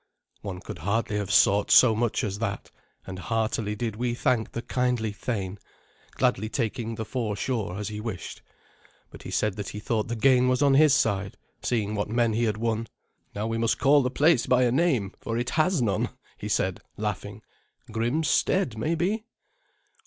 One could hardly have sought so much as that, and heartily did we thank the kindly thane, gladly taking the fore shore as he wished. But he said that he thought the gain was on his side, seeing what men he had won. "Now we must call the place by a name, for it has none," he said, laughing. "Grim's Stead, maybe?"